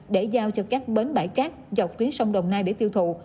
để giao cho các bến bãi cát dọc tuyến sông đồng nai để tiêu thụ